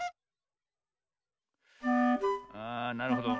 あなるほど。